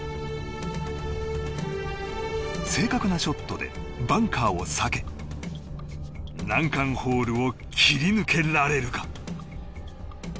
正確なショットでバンカーを避け難関ホールを切り抜けられるか。